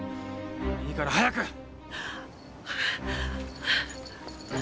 いいから早く！